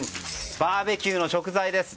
バーベキューの食材です。